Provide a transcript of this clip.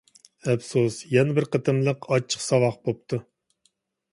ئەپسۇس، يەنە بىر قېتىملىق ئاچچىق ساۋاق بوپتۇ.